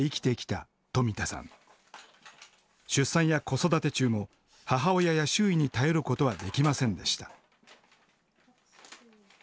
出産や子育て中も母親や周囲に頼ることはできませんでした。